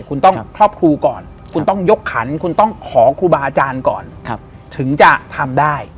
คุณต้องครอบครูก่อนคุณต้องยกขันคุณต้องขอครูบาอาจารย์ก่อนถึงจะทำได้